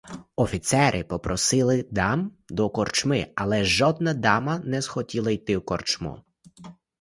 Офіцери просили дам до корчми, але жодна дама не схотіла йти в корчму.